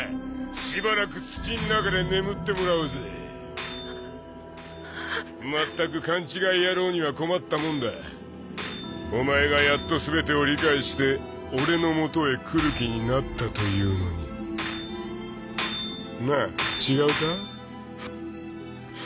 しばらく土ん中で眠ってもらうぜまったく勘違い野郎には困ったもんだお前がやっと全てを理解して俺のもとへ来る気になったというのになあ違うか？